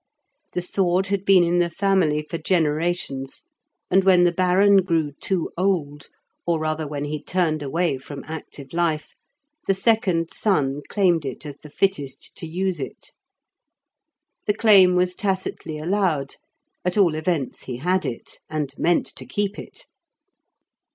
The sword had been in the family for generations, and when the Baron grew too old, or rather when he turned away from active life, the second son claimed it as the fittest to use it. The claim was tacitly allowed; at all events, he had it, and meant to keep it.